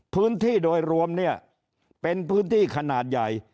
พื้นที่โดยรวมเนี่ยเป็นพื้นที่ขนาดใหญ่